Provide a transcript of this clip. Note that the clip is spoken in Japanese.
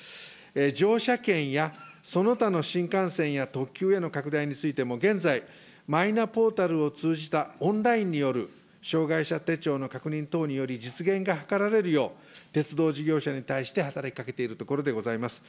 乗車券やその他の新幹線や特急への拡大についても現在、マイナポータルを通じた、オンラインによる障害者手帳の確認等により実現が図られるよう、鉄道事業者に対して働きかけているところでございます。